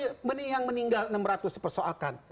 ini yang meninggal enam ratus dipersoalkan